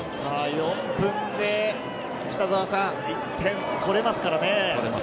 ４分で１点取れますからね。